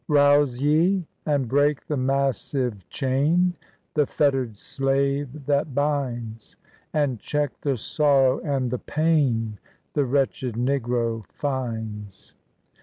"Bouse ye, and break the massive chain, The fetter' d slave that binds ; And check the sorrow and the pain The wretched negro finds."